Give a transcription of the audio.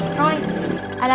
ada tamu microphone nya jalan